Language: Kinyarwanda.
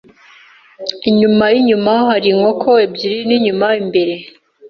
Inyuma yinyuma hari inkoko ebyiri ninyuma imbere.